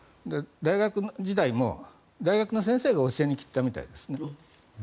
大学時代も大学の先生が教えに来ていたみたいですね。